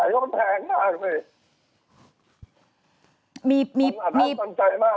ผมเป็นคนมากมั่นใจเยอะมากครับ